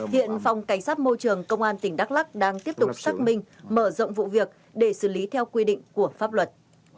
hiện phòng cảnh sát môi trường công an tỉnh đắk lắc đang tiếp tục xác minh mở rộng vụ việc để xử lý theo quy định của pháp luật